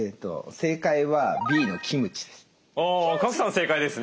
正解はＢのキムチです。